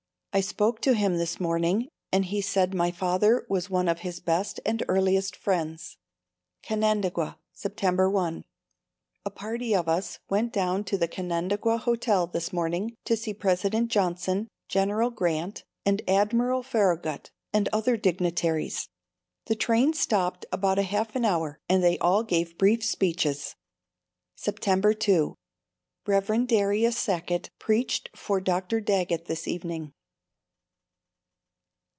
I spoke to him this morning and he said my father was one of his best and earliest friends. Canandaigua, September 1. A party of us went down to the Canandaigua hotel this morning to see President Johnson, General Grant and Admiral Farragut and other dignitaries. The train stopped about half an hour and they all gave brief speeches. September 2. Rev. Darius Sackett preached for Dr. Daggett this evening.